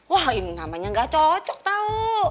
wah ini namanya gak cocok tau